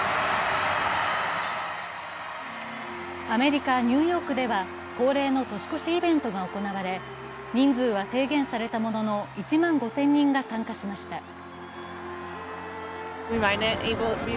アメリカ・ニューヨークでは恒例の年越しイベントが行われ、人数は制限されたものの１万５０００人が参加しました。